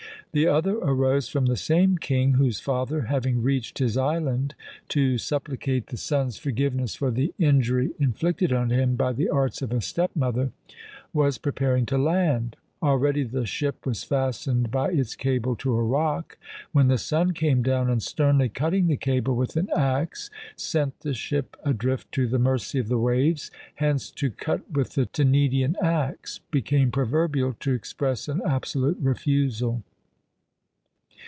The other arose from the same king, whose father having reached his island, to supplicate the son's forgiveness for the injury inflicted on him by the arts of a step mother, was preparing to land; already the ship was fastened by its cable to a rock; when the son came down, and sternly cutting the cable with an axe, sent the ship adrift to the mercy of the waves: hence, "to cut with the Tenedian axe," became proverbial to express an absolute refusal.